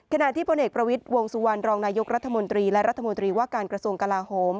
ขณะที่พลเอกประวิทย์วงสุวรรณรองนายกรัฐมนตรีและรัฐมนตรีว่าการกระทรวงกลาโหม